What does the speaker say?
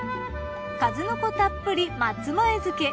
数の子たっぷり松前漬。